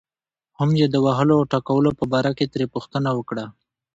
هم یې د وهلو او ټکولو په باره کې ترې پوښتنه وکړه.